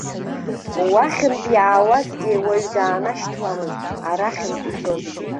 Уахьынтә иаауазгьы уаҩ даанашьҭуамызт, арахьынтә ицозгьы.